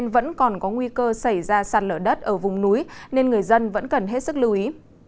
vẫn còn có nguy cơ xảy ra sạt lở đất ở vùng núi nên người dân vẫn cần hết sức lưu ý